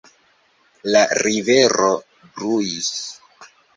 La rivero bruis.